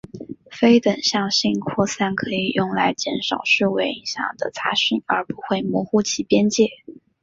非等向性扩散可以用来减少数位影像的杂讯而不会模糊其边界。